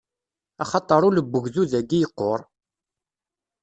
Axaṭer ul n ugdud-agi yeqqur!